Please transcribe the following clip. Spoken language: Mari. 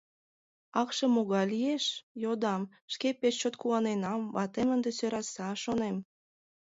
— Акше могай лиеш? — йодам, шке пеш чот куаненам, ватем ынде сӧраса, шонем.